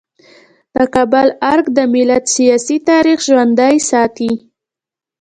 د کابل ارګ د ملت سیاسي تاریخ ژوندی ساتي.